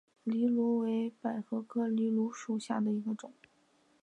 藜芦为百合科藜芦属下的一个种。